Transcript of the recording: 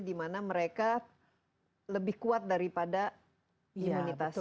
dimana mereka lebih kuat daripada imunitas